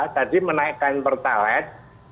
tadi menaikkan pertalek